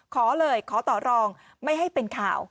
ขอเลยขอต่อรองไม่ให้เป็นข่าว